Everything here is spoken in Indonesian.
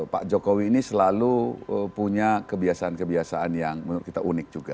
pak jokowi ini selalu punya kebiasaan kebiasaan yang menurut kita unik juga